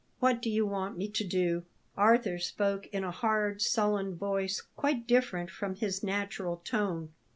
"What do you want me to do?" Arthur spoke in a hard, sullen voice, quite different from his natural tone.